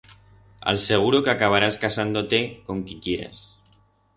A'l seguro que acabarás casando-te con qui quieras.